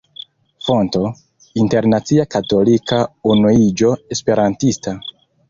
Fonto: Internacia Katolika Unuiĝo Esperantista.